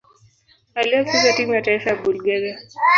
Aliwahi kucheza timu ya taifa ya Bulgaria.